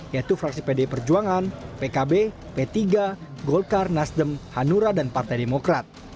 yaitu fraksi pd perjuangan pkb p tiga golkar nasdem hanura dan partai demokrat